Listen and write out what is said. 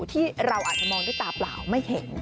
ที่เราอาจจะมองด้วยตาเปล่าไม่เห็น